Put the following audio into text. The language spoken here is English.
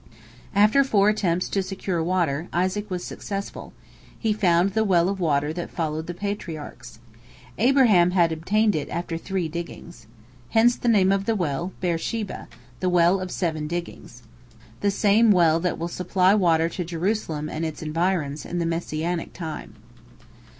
After four attempts to secure water, Isaac was successful; he found the well of water that followed the Patriarchs. Abraham had obtained it after three diggings. Hence the name of the well, Beer sheba, "the well of seven diggings," the same well that will supply water to Jerusalem and its environs in the Messianic time.